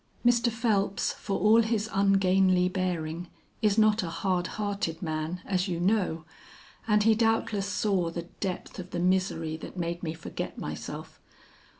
"Mr. Phelps for all his ungainly bearing, is not a hard hearted man, as you know, and he doubtless saw the depth of the misery that made me forget myself.